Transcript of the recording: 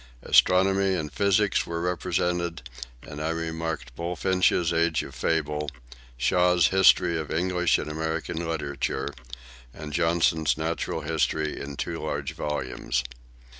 Astronomy and physics were represented, and I remarked Bulfinch's Age of Fable, Shaw's History of English and American Literature, and Johnson's Natural History in two large volumes.